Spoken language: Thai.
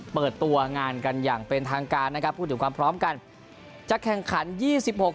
เปิดตัวงานกันอย่างเป็นทางการนะครับพูดถึงความพร้อมกันจะแข่งขันยี่สิบหก